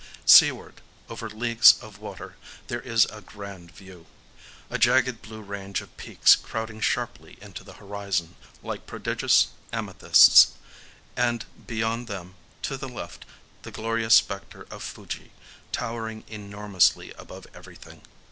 Seaward, over leagues of water, there is a grand view,—a jagged blue range of peaks crowding sharply into the horizon, like prodigious amethysts,—and beyond them, to the left, the glorious spectre of Fuji, towering enormously above everything.